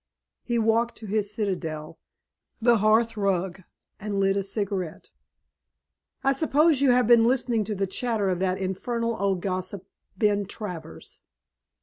He walked to his citadel, the hearth rug, and lit a cigarette. "I suppose you have been listening to the chatter of that infernal old gossip, Ben Travers."